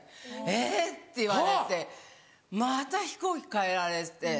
えぇ！って言われてまた飛行機変えられて。